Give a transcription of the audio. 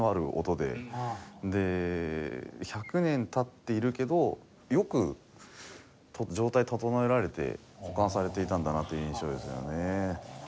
で１００年経っているけどよく状態整えられて保管されていたんだなという印象ですよね。